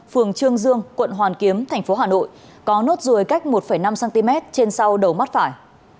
phường trương dương quận hoàn kiếm thành phố hà nội có nốt ruồi cách một năm cm trên sau đầu mắt phải